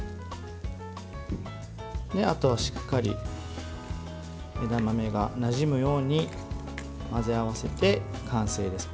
あとはしっかり枝豆がなじむように混ぜ合わせて完成です。